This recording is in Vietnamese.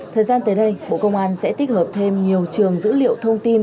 thời gian tới đây bộ công an sẽ tích hợp thêm nhiều trường dữ liệu thông tin